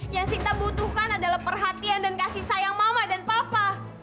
yang kita butuhkan adalah perhatian dan kasih sayang mama dan papa